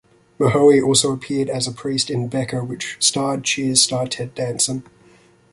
Mahoney also appeared as a priest in "Becker" which starred "Cheers" star Ted Danson.